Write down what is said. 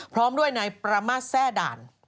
พร้อมด้วยนายประมาทแซ่ด่าน